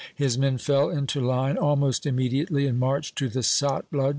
His men fell into line almost immediately and marched to the Satluj